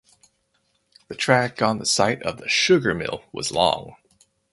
The track on the site of the sugar mill was long.